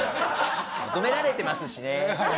求められてますしね。